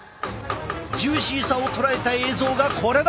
ジューシーさを捉えた映像がこれだ！